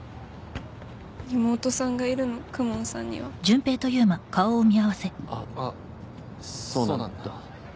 妹さんがいるの公文さんにはあっそうなんだ